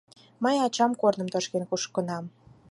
Мый ачам корным тошкен кушкынам.